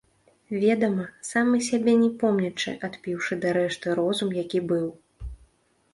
Ведама, самы сябе не помнячы, адпіўшы дарэшты розум, які быў.